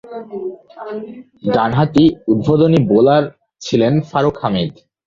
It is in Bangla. ডানহাতি উদ্বোধনী বোলার ছিলেন ফারুক হামিদ।